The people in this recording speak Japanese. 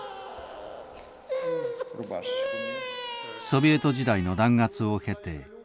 ソビエト時代の弾圧を経て今世紀